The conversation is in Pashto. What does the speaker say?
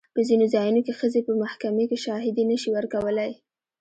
په ځینو ځایونو کې ښځې په محکمې کې شاهدي نه شي ورکولی.